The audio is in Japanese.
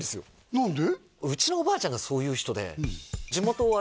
何で？